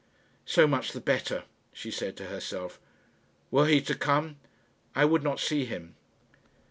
"So much the better," she said to herself. "Were he to come, I would not see him."